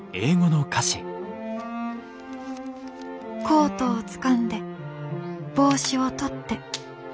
「コートをつかんで帽子を取って」。